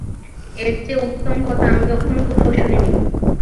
এর চেয়ে উত্তম কথা আমি কখনো কোথাও শুনিনি।